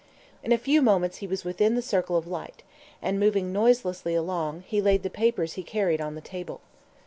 In a few moments he was within the circle of light, and, moving noiselessly along, he laid the papers he carried on the table.